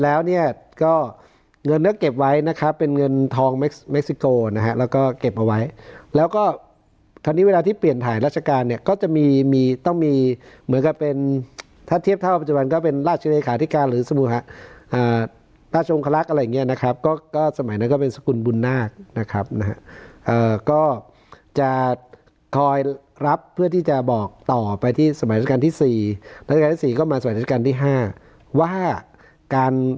แล้วก็คราวนี้เวลาที่เปลี่ยนถ่ายราชการเนี่ยก็จะมีมีต้องมีเหมือนกับเป็นถ้าเทียบเท่าปัจจุบันก็เป็นราชินิคาธิการหรือสมภาพราชงครักษ์อะไรอย่างเงี้ยนะครับก็ก็สมัยนั้นก็เป็นสกุลบุญนาคนะครับนะฮะก็จะคอยรับเพื่อที่จะบอกต่อไปที่สมัยราชการที่๔ราชการที่๔ก็มาสมัยราชการที่๕ว่าการ